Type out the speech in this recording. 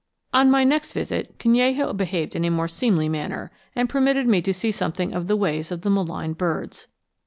On my next visit Canello behaved in more seemly manner, and permitted me to see something of the ways of the maligned birds.